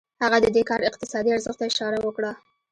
هغه د دې کار اقتصادي ارزښت ته اشاره وکړه